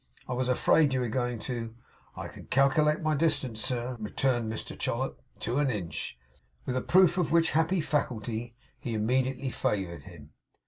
'I was afraid you were going to ' 'I can calc'late my distance, sir,' returned Mr Chollop, 'to an inch.' With a proof of which happy faculty he immediately favoured him.